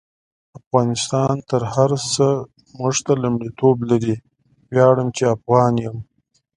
افغانستان تر هر سه مونږ ته لمړیتوب لري: ویاړم چی افغان يم